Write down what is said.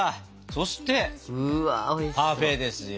そしてパフェですよ。